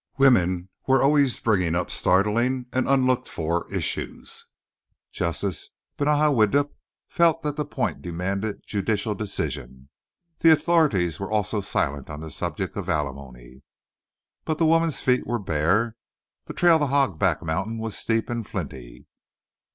Women were always bringing up startling and unlooked for issues. Justice Benaja Widdup felt that the point demanded judicial decision. The authorities were also silent on the subject of alimony. But the woman's feet were bare. The trail to Hogback Mountain was steep and flinty.